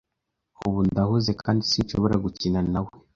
Ubu ndahuze kandi sinshobora gukina nawe